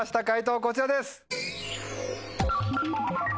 解答こちらです。